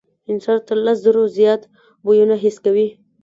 انسان تر لس زرو زیات بویونه حس کوي.